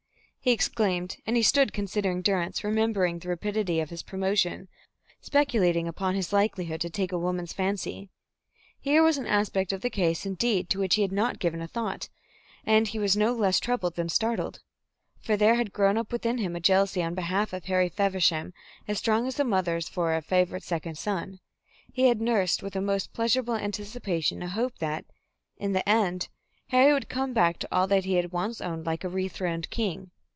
he exclaimed, and he stood considering Durrance, remembering the rapidity of his promotion, speculating upon his likelihood to take a woman's fancy. Here was an aspect of the case, indeed, to which he had not given a thought, and he was no less troubled than startled. For there had grown up within him a jealousy on behalf of Harry Feversham as strong as a mother's for a favourite second son. He had nursed with a most pleasurable anticipation a hope that, in the end, Harry would come back to all that he once had owned, like a rethroned king.